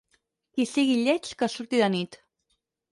Qui sigui lleig que surti de nit.